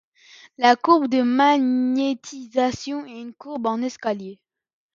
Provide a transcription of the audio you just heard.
La courbe de magnétisation est une courbe en escalier.